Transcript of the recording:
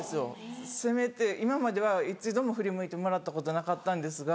攻めて今までは一度も振り向いてもらったことなかったんですが。